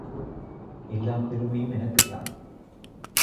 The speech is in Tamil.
எல்லாப் பெருமையும் எனக்குத்தான்.